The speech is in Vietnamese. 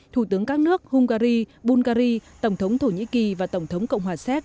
thủ tướng các nước hungary bulgaria tổng thống thổ nhĩ kỳ và tổng thống cộng hòa xét